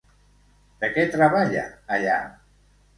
De què treballà allà?